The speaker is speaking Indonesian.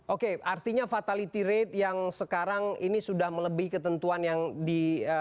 oke artinya fatality rate yang sekarang ini sudah melebihi ketentuan yang di